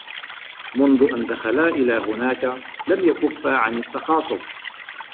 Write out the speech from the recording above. منذ أن دخلا إلى هناك، لم يكفّا عن التّخاصم.